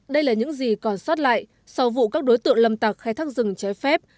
đây là những gì còn sót lại sau vụ các đối tượng lâm tặc khai thác rừng trái phép